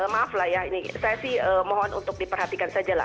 maaf lah ya ini saya sih mohon untuk diperhatikan saja lah